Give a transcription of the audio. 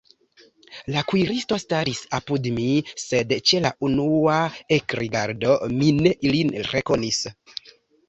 La kuiristo staris apud mi, sed ĉe la unua ekrigardo mi ne lin rekonis.